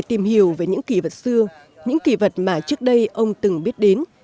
tìm hiểu về những kỷ vật xưa những kỳ vật mà trước đây ông từng biết đến